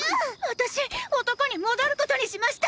私男に戻ることにしました！！